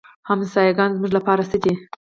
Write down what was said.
ګاونډیان زموږ لپاره څه دي؟